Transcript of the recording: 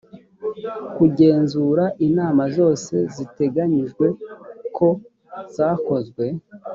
kugenzura inama zose ziteganyijwe ko zakozwe